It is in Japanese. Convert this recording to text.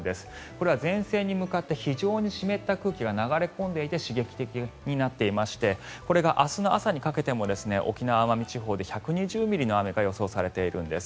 これは前線に向かって非常に冷たい空気が流れ込んで刺激になっていましてこれが明日の朝になっても沖縄・奄美地方で１２０ミリの雨が予想されているんです。